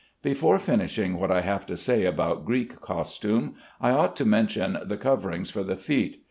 Before finishing what I have to say about Greek costume, I ought to mention the coverings for the feet.